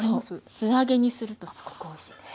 素揚げにするとすごくおいしいです。